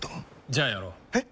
じゃあやろう。え？